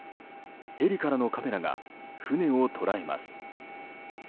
ヘリからのカメラが船を捉えます。